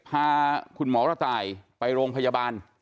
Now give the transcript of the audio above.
พาคุณหมอกระต่ายไปโรงพยาบาล